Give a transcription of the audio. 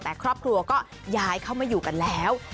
แต่ครอบครัวก็ย้ายเข้ามาอยู่กันแล้ว